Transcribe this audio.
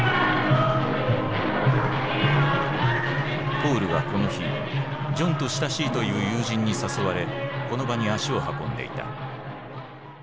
ポールはこの日ジョンと親しいという友人に誘われこの場に足を運んでいた。